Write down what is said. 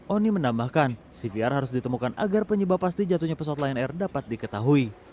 oni menambahkan cvr harus ditemukan agar penyebab pasti jatuhnya pesawat lion air dapat diketahui